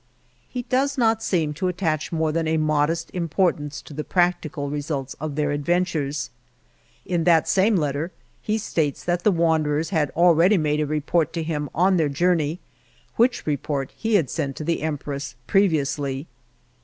He does not seem to attach more than a modest importance to the prac tical results of their adventures. In that same letter he states that the wanderers had already made a report to him on their jour ney, which report he had sent to the Empress previously.